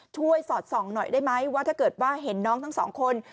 สอดส่องหน่อยได้ไหมว่าถ้าเกิดว่าเห็นน้องทั้งสองคน